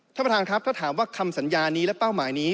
ท่านประธานครับถ้าถามว่าคำสัญญานี้และเป้าหมายนี้